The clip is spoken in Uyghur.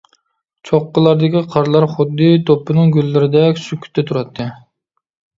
چوققىلاردىكى قارلار خۇددى دوپپىنىڭ گۈللىرىدەك سۈكۈتتە تۇراتتى.